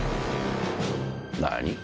何？